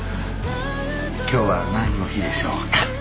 今日はなんの日でしょうか？